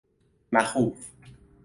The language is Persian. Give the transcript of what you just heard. مخوف